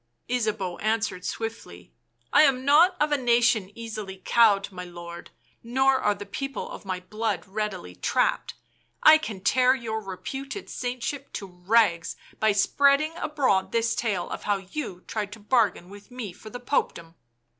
Ysabeau answered swiftly. " I am not of a nation easily cowed, my lord, nor are the people of my blood readily trapped — I can tear your reputed saintship to rags by spreading abroad this tale of how you tried to bargain with me for the Popedom."